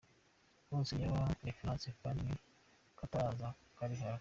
Hose niyo reference kandi n’ akataraza kari hafi.